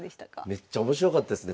めっちゃ面白かったですね